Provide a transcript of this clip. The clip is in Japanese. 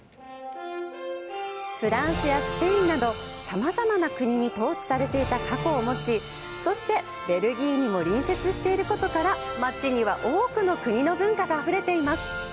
フランスやスペインなどさまざまな国に統治されていた過去を持ちそしてベルギーにも隣接していることから街には多くの国の文化があふれています。